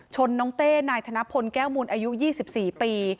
น้องเต้นายธนพลแก้วมูลอายุ๒๔ปี